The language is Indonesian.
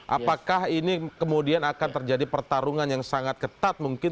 apakah ini kemudian akan terjadi pertarungan yang sangat ketat mungkin